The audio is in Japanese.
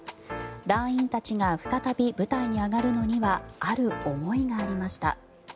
団員たちが再び舞台に上がるのにはある思いがありました。